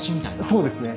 そうですね。